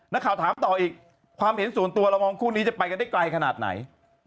นักข่าวถามต่ออีกความเห็นส่วนตัวเรามองคู่นี้จะไปกันได้ไกลขนาดไหน